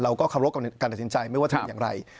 เขาก็เคารพกับการตัดสินใจไม่ว่าจะเป็นอย่างไร